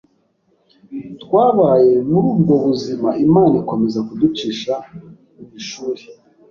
Twabaye muri ubwo buzima Imana ikomeza kuducisha mu ishuri